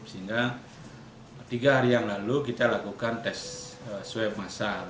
sehingga tiga hari yang lalu kita lakukan tes swab masal